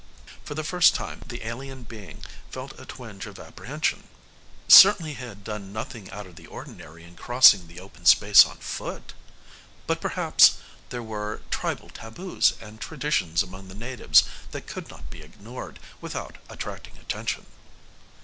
For the first time, the alien being felt a twinge of apprehension. Certainly he had done nothing out of the ordinary in crossing the open space on foot? But perhaps there were tribal taboos and traditions among the natives that could not be ignored without attracting attention.